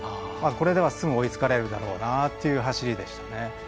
これではすぐに追いつかれるだろうなという走りでしたね。